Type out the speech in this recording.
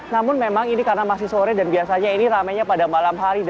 namun memang ini karena masih sore dan biasanya ini ramainya pada malam hari